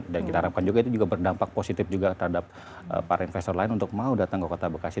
dan kita harapkan juga itu berdampak positif juga terhadap para investor lain untuk mau datang ke kota bekasi